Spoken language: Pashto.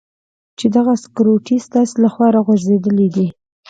چې دغه سکروټې ستاسې له خوا را غورځېدلې دي.